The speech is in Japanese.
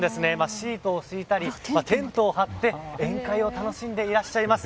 シートを敷いたりテントを張って宴会を楽しんでいらっしゃいます。